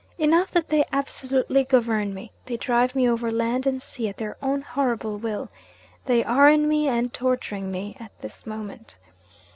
Enough that they absolutely govern me they drive me over land and sea at their own horrible will; they are in me, and torturing me, at this moment!